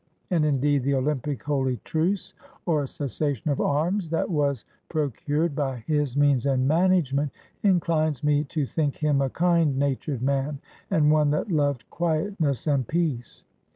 And, indeed, the Olympic holy truce, or cessation of arms, that was procured by his means and management, inclines me to think him a kind natured man, and one that loved quiet ness and peace.